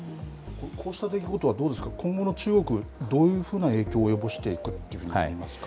こうした出来事はどうですか、今後の中国、どういうふうな影響を及ぼしていくというふうに思いますか。